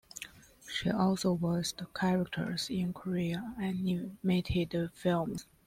She also voiced characters in Korean animated films.